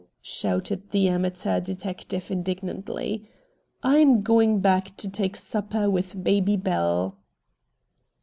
shouted the amateur detective indignantly. "I'm going back to take supper with 'Baby Belle'!"